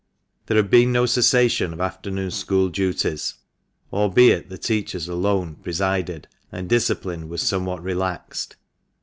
There had been no cessation of afternoon school duties, albeit the teachers alone presided, and discipline was somewhat relaxed.